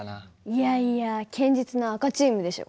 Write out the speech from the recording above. いやいや堅実の赤チームでしょ。